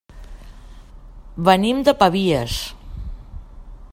Venim de Pavies.